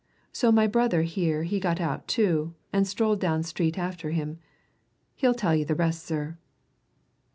So my brother here he got out too, and strolled down street after him. He'll tell you the rest, sir."